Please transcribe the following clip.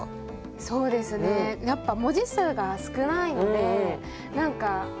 そうですねやっぱ文字数が少ないので「あれも言いたい」